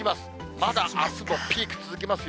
まだあすもピーク続きますよ。